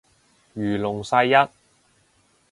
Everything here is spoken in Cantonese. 如龍世一